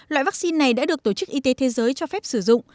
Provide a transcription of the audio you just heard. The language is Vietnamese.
loại vaccine này đã được tổ chức y tế thế giới cho phép sử dụng